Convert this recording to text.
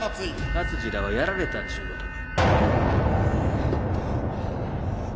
勝次らはやられたっちゅう事か？